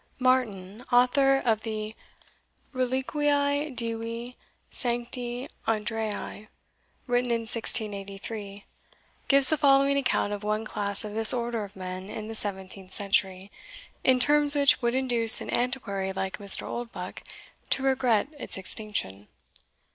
Martin, author of the Reliquiae Divi Sancti Andreae, written in 1683, gives the following account of one class of this order of men in the seventeenth century, in terms which would induce an antiquary like Mr. Oldbuck to regret its extinction.